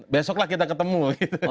besoklah kita ketemu begitu